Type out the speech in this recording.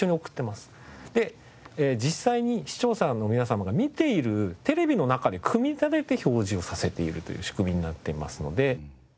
で実際に視聴者の皆様が見ているテレビの中で組み立てて表示をさせているという仕組みになっていますので。